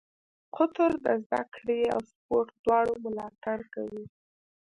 قطر د زده کړې او سپورټ دواړو ملاتړ کوي.